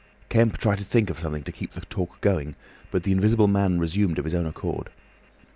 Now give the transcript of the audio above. Kemp tried to think of something to keep the talk going, but the Invisible Man resumed of his own accord.